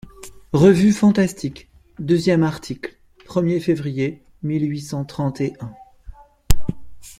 _Revue Fantastique_, deuxième article, premier février mille huit cent trente et un.